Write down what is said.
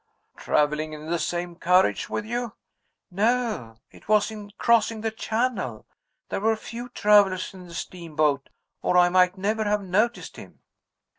"Traveling in the same carriage with you?" "No it was in crossing the Channel. There were few travelers in the steamboat, or I might never have noticed him."